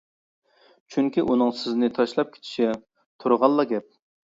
چۈنكى ئۇنىڭ سىزنى تاشلاپ كېتىشى تۇرغانلا گەپ.